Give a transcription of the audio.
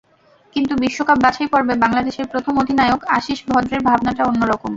কিন্তু বিশ্বকাপ বাছাইপর্বে বাংলাদেশের প্রথম অধিনায়ক আশীষ ভদ্রের ভাবনাটা অন্য রকম।